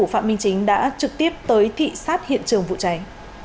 phạm minh chính đã trực tiếp tới thị xát hiện trường vụ cháy